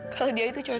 kalau dia itu cowoknya